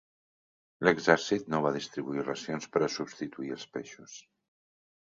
L'exèrcit no va distribuir racions per a substituir els peixos.